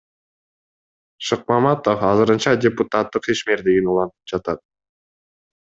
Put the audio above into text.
Шыкмаматов азырынча депутаттык ишмердигин улантып жатат.